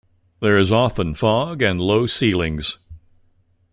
There is often fog and low ceilings.